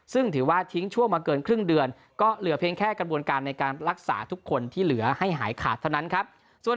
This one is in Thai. ซึ่งถือว่าทิ้งช่วงมาเกินครึ่งเดือนก็เหลือเพียงแค่กระบวนการในการรักษาทุกคนที่เหลือให้หายขาดเท่านั้นครับ